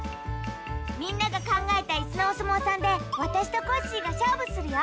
みんながかんがえたイスのおすもうさんでわたしとコッシーがしょうぶするよ！